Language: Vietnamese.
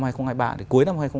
thì cuối năm hai nghìn ba